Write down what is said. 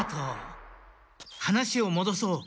話をもどそう。